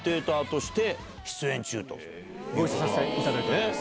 ご一緒させていただいております。